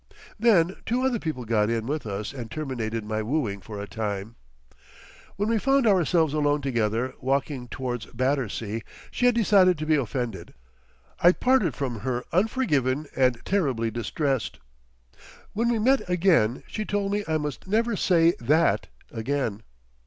Then two other people got in with us and terminated my wooing for a time. When we found ourselves alone together, walking towards Battersea, she had decided to be offended. I parted from her unforgiven and terribly distressed. When we met again, she told me I must never say "that" again.